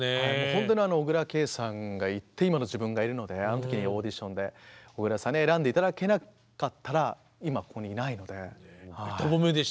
本当に小椋佳さんがいて今の自分がいるのであの時にオーディションで小椋さんに選んで頂けなかったら今ここにいないので。